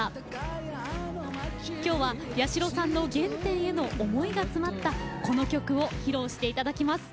今日は八代さんの原点への思いが詰まったこの曲を披露して頂きます。